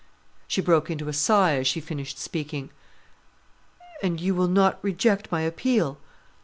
She broke into a sigh as she finished speaking. "And you will not reject my appeal?"